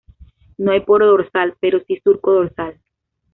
No hay poro dorsal pero sí surco dorsal.